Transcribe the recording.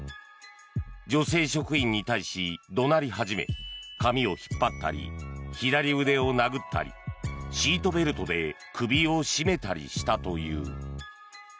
女性職員に対し、怒鳴り始め髪を引っ張ったり左腕を殴ったりシートベルトで首を絞めたりしたという。